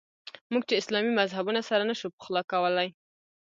موږ چې اسلامي مذهبونه سره نه شو پخلا کولای.